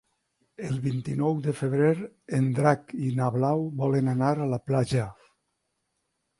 El vint-i-nou de febrer en Drac i na Blau volen anar a la platja.